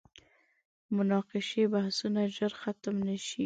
مناقشې بحثونه ژر ختم نه شي.